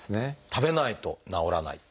食べないと治らない。